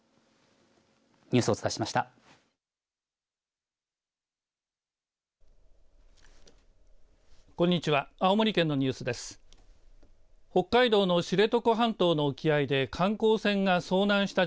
ニュースをお伝えしました。